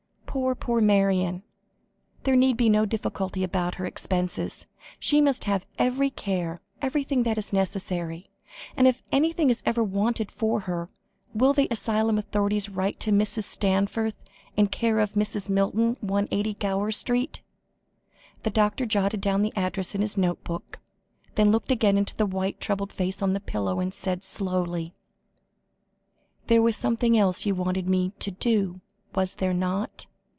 "Poor, poor Marion. There need be no difficulty about her expenses. She must have every care, everything that is necessary, and if anything is ever wanted for her, will the asylum authorities write to Mrs. Stanforth, c/o Mrs. Milton, 180, Gower Street." The doctor jotted down the address in his notebook, then looked again into the white, troubled face on the pillow, and said slowly: "There was something else you wanted me to do, was there not?